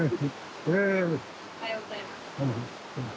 おはようございます。